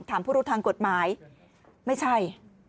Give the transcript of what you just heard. ผู้รู้ทางกฎหมายไม่ใช่